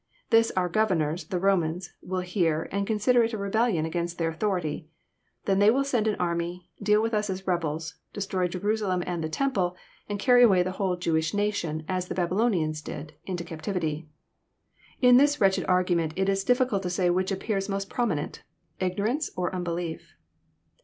This onr governors, the Romans, will bear, and consider it a rebellion against their authority. Then they will send an army, deal with us as rebels, destroy Jerusa lem and the temple, and carry away the whole Jewish nation, as the Babylonians did, into captivity." In this wretched argument it is difficult to say which appears most prominent, ignorance or unbelief.